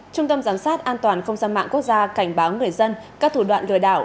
trung tâm giám sát an toàn không gian mạng quốc gia cảnh báo người dân các thủ đoạn lừa đảo